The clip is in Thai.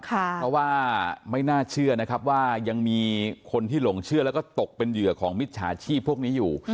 เพราะว่าไม่น่าเชื่อนะครับว่ายังมีคนที่หลงเชื่อแล้วก็ตกเป็นเหยื่อของมิจฉาชีพพวกนี้อยู่